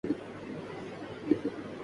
جی ہاں، آپ نے درست کہا۔